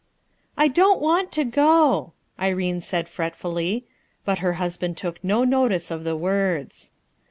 "I don't want to go/' Irene said fretfully. But her husband took no notice of the words.